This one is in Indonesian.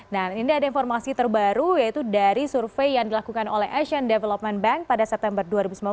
nah ini ada informasi terbaru yaitu dari survei yang dilakukan oleh asian development bank pada september dua ribu sembilan belas